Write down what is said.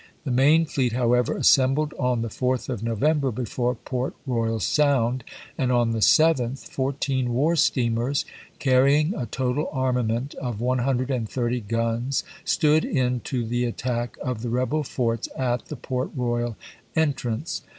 The main fleet, however, assembled on the 1861. 4th of November before Port Royal Sound, and on the 7th, fourteen war steamers, carrying a total armament of 130 guns, stood in to the attack of the rebel forts at the Port Royal en trance.